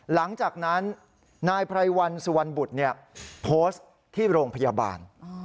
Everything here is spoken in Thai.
หลังจากนั้นนายไพรวันสุวรรณบุตรโพสต์ที่โรงพยาบาล